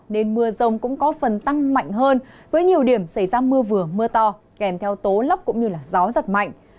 nên mưa rông cũng có phần tăng mạnh hơn với nhiều điểm xảy ra mưa vừa mưa to kèm theo tố lốc cũng như gió giật mạnh